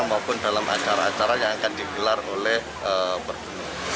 maupun dalam acara acara yang akan digelar oleh pergunung